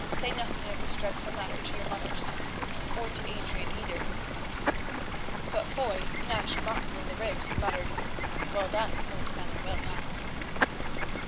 Say nothing of this dreadful matter to your mother, son, or to Adrian either." But Foy nudged Martin in the ribs and muttered, "Well done, old fellow, well done!"